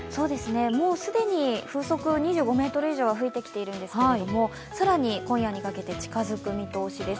もう既に風速２０メートル以上は吹いてきてるんですけど更に今夜にかけて近づく見通しです。